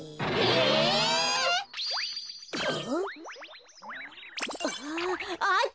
えっ！